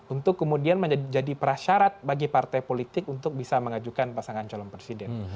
untuk kemudian menjadi prasyarat bagi partai politik untuk bisa mengajukan pasangan calon presiden